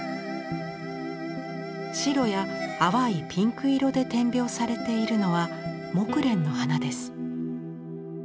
白や淡いピンク色で点描されているのはモクレンの花です。